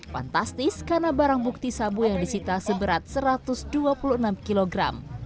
fantastis karena barang bukti sabu yang disita seberat satu ratus dua puluh enam kilogram